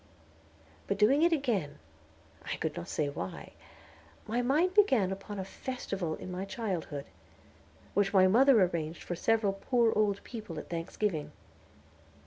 But doing it again I could not say why my mind began upon a festival in my childhood, which my mother arranged for several poor old people at Thanksgiving.